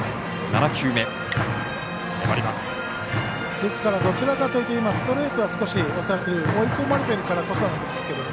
ですから、どちらかというとストレートは今押されている追い込まれているからこそなんですけどね。